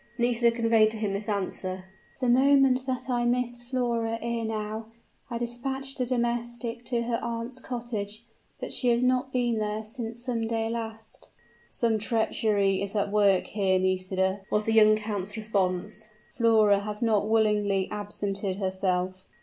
Nisida conveyed to him this answer: "The moment that I missed Flora ere now, I dispatched a domestic to her aunt's cottage; but she has not been there since Sunday last." "Some treachery is at work here, Nisida," was the young count's response. "Flora has not willingly absented herself."